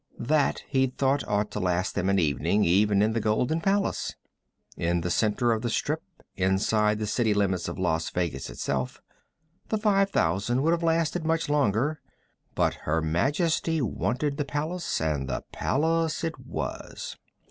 That, he'd thought, ought to last them an evening, even in the Golden Palace. In the center of the strip, inside the city limits of Las Vegas itself, the five thousand would have lasted much longer but Her Majesty wanted the Palace, and the Palace it was.